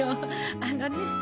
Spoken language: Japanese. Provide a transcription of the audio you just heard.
あのね